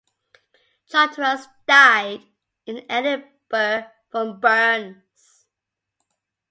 Charteris died in Edinburgh from burns.